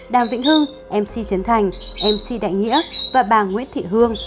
đàm vĩnh hưng mc chấn thành mc đại nghĩa và bà nguyễn thị hương